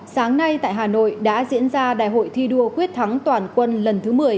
sáng nay tại hà nội đã diễn ra đại hội thi đua quyết thắng toàn quân lần thứ một mươi